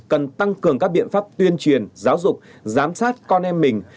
cần tăng cường các biện pháp tuyên truyền giáo dục giám sát con em mình